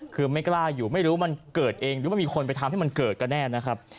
คือไม่กล้าอยู่ไม่รู้มันเกิดเองหรือมันมีคนไปทำให้มันเกิดก็แน่นะครับ